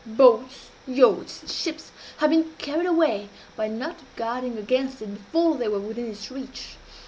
Boats, yachts, and ships have been carried away by not guarding against it before they were within its reach.